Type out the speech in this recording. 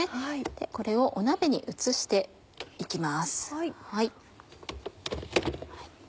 これを鍋に移して行きます。